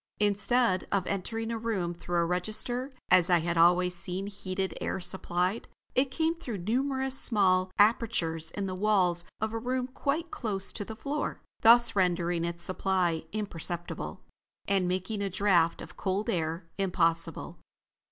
Instead of entering a room through a register, as I had always seen heated air supplied, it came through numerous small apertures in the walls of a room quite close to the floor, thus rendering its supply imperceptible, and making a draft of cold air impossible.